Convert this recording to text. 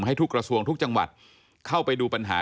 ให้ทุกกระทรวงทุกจังหวัดเข้าไปดูปัญหา